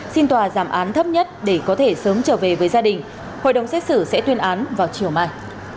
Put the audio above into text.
xin tòa giảm án thấp nhất để có thể sớm trở về với gia đình hội đồng xét xử sẽ tuyên án vào chiều mai